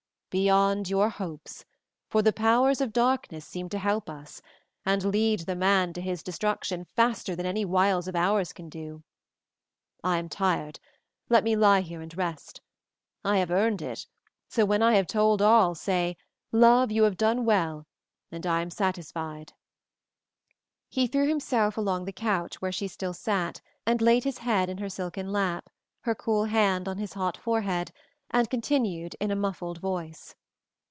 "Beyond your hopes, for the powers of darkness seem to help us, and lead the man to his destruction faster than any wiles of ours can do. I am tired, let me lie here and rest. I have earned it, so when I have told all say, 'Love, you have done well,' and I am satisfied." He threw himself along the couch where she still sat and laid his head in her silken lap, her cool hand on his hot forehead, and continued in a muffled voice.